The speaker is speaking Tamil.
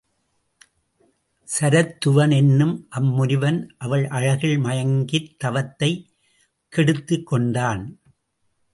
சரத்துவன் என்னும் அம்முனிவன் அவள் அழகில் மயங்கித தவத்தைக் கெடுத்துக் கொண்டான்.